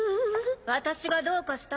・私がどうかした？